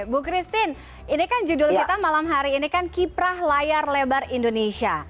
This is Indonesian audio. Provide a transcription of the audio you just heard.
bu christine ini kan judul kita malam hari ini kan kiprah layar lebar indonesia